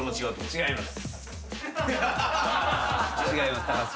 違います！